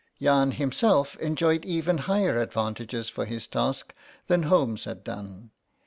Jahn himself enjoyed even higher advantages for his task than Holmes had done.